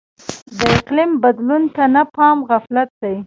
د اقلیم بدلون ته نه پام غفلت دی.